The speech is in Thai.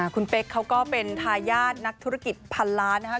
คุณเป๊กเขาก็เป็นทายาทนักธุรกิจพันล้านนะครับ